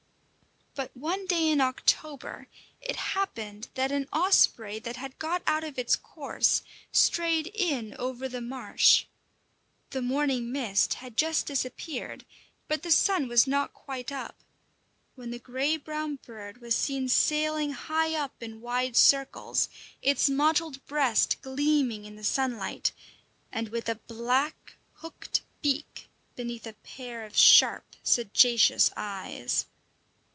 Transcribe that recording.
But one day in October it happened that an osprey that had got out of its course strayed in over the marsh. The morning mist had just disappeared, but the sun was not quite up, when the grey brown bird was seen sailing high up in wide circles, its mottled breast gleaming in the sunlight; and with a black, hooked beak beneath a pair of sharp, sagacious eyes.